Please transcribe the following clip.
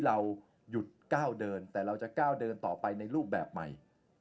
เราหยุดก้าวเดินแต่เราจะก้าวเดินต่อไปในรูปแบบใหม่